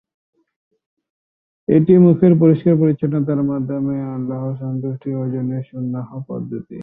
এটি মুখের পরিষ্কার-পরিচ্ছন্নতার মাধ্যমে আল্লাহর সন্তুষ্টি অর্জনের সুন্নাহ পদ্ধতি।